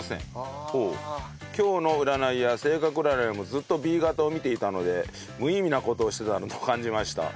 今日の占いや性格占いもずっとＢ型を見ていたので無意味な事をしていたなと感じました。